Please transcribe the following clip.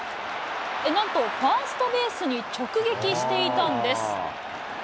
なんとファーストベースに直撃していたんです。